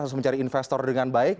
harus mencari investor dengan baik